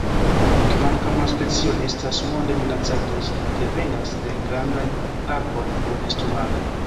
Kvankam la specio ne estas monde minacata, ĝi dependas de grandaj arboj por nestumado.